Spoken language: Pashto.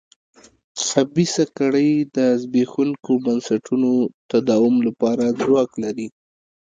خبیثه کړۍ د زبېښونکو بنسټونو تداوم لپاره ځواک لري.